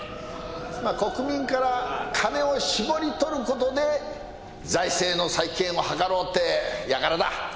「まあ国民から金を絞り取る事で財政の再建を図ろうって輩だ」